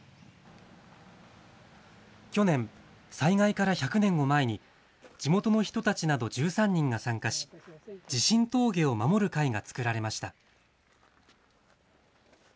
去年、災害から１００年を前に、地元の人たちなど１３人が参加し、地震峠を守る会が作られました。